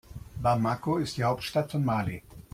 Bamako ist die Hauptstadt von Mali.